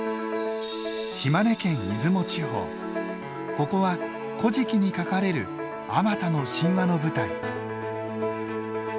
ここは「古事記」に書かれるあまたの神話の舞台。